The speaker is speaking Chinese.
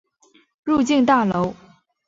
入境大楼